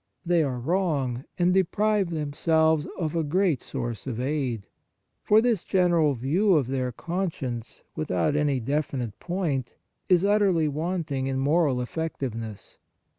They are wrong, and deprive themselves of a great source of aid ; for this 128 Examination of Conscience general view of their conscience, without any definite point, is utterly wanting in moral effectiveness.